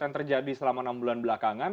yang terjadi selama enam bulan belakangan